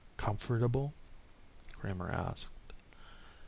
"Comfortable?" Kramer asked.